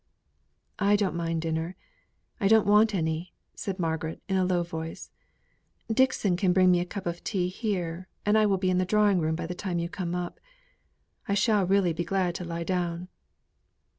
"I don't mind dinner. I don't want any," said Margaret, in a low voice. "Dixon can get me a cup of tea here, and I will be in the drawing room by the time you come up. I shall really be glad to lie down."